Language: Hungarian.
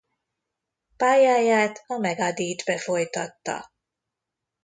Pályáját a Megadethbe folytatta.